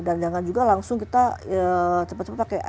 dan jangan juga langsung kita cepat cepat pakai